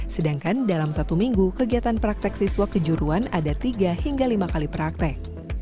sedangkan dalam satu minggu kegiatan praktek siswa kejuruan ada tiga hingga lima kali praktek